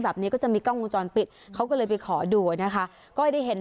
แบบนี้ก็จะมีกล้องวงจรปิดเขาก็เลยไปขอดูนะคะก็ได้เห็น